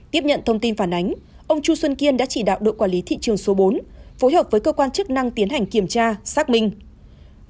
tiếp nhận thông tin phản ánh ông chu xuân kiên đã chỉ đạo đội quản lý thị trường số bốn phối hợp với cơ quan chức năng tiến hành kiểm tra xác minh